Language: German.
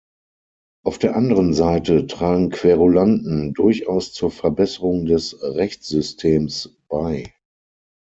Auf der anderen Seite tragen Querulanten durchaus zur Verbesserung des Rechtssystems bei.